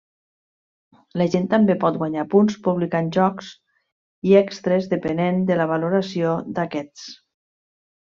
La gent també pot guanyar punts publicant jocs, i extres depenent de la valoració d'aquests.